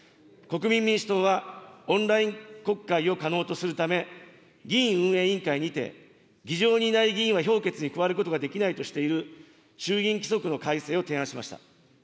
国民民主党は、オンライン国会を可能とするため、議院運営委員会にて、議場にいない議員は表決に加わることはできないとしている衆議院規則の改正を提案しました。